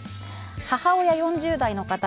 母親が４０代の方。